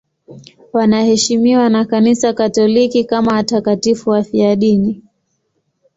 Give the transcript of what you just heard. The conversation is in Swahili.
Wanaheshimiwa na Kanisa Katoliki kama watakatifu wafiadini.